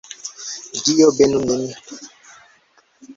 Dio benu nin!